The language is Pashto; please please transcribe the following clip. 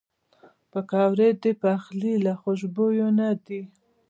پکورې د پخلي له خوشبویو نه دي